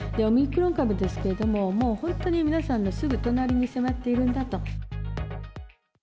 オミクロン株ですけれども、もう本当に皆さんのすぐ隣に迫っているんだと。